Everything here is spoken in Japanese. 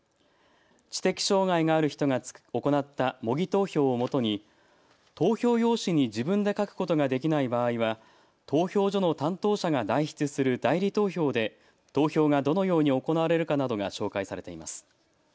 知的障害がある人が行った模擬投票をもとに投票用紙に自分で書くことができない場合は投票所の担当者が代筆する代理投票で投票がどのように行われるかなどが紹介されています。